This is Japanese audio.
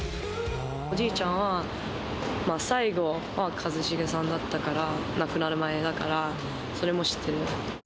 おじいちゃんは最後は一茂さんだったから、亡くなる前、だから、それも知ってる。